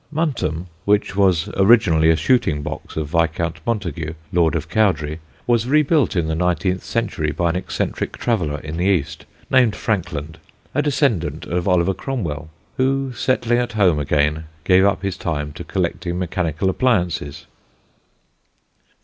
Muntham, which was originally a shooting box of Viscount Montagu, lord of Cowdray, was rebuilt in the nineteenth century by an eccentric traveller in the East, named Frankland, a descendant of Oliver Cromwell, who, settling at home again, gave up his time to collecting mechanical appliances.